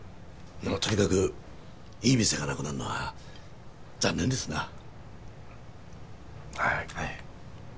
とにかくいい店がなくなるのは残念ですな。